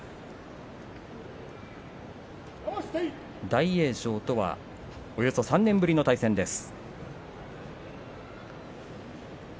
大栄翔とは、およそ３年ぶりの対戦です。